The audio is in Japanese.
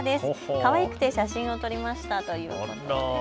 かわいくて写真を撮りましたということです。